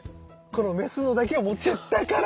このメスのだけを持ってったから？